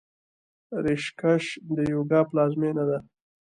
ریشیکیش د یوګا پلازمینه ده.